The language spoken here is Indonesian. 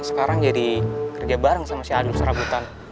sekarang jadi kerja bareng sama si adu serabutan